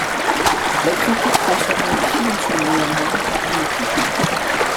Les critiques concernant le film sont néanmoins très mitigées.